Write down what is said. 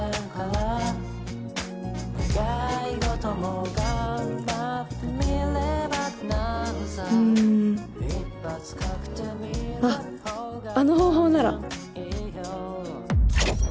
うんあっあの方法なら！